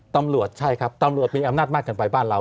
ตำรวจใช่ครับตำรวจมีอำนาจมากเกินไปบ้านเรา